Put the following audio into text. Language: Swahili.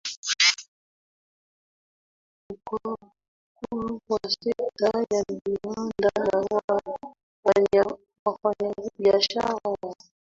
kukua kwa sekta ya viwanda na wafanyabiashara wa